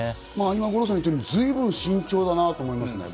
五郎さんが言ったように随分慎重だなと僕は思いますね。